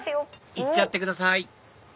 行っちゃってください！